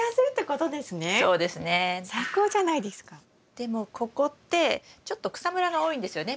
でもここってちょっと草むらが多いんですよね